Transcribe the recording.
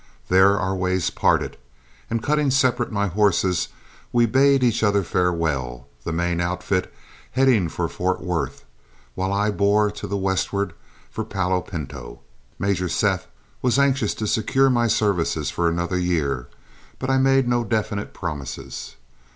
There our ways parted, and cutting separate my horses, we bade each other farewell, the main outfit heading for Fort Worth, while I bore to the westward for Palo Pinto. Major Seth was anxious to secure my services for another year, but I made no definite promises.